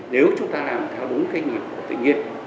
nếu chúng ta làm theo đúng cái nhịp của tự nhiên